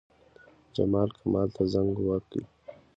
جمال، کمال ته زنګ وکړ.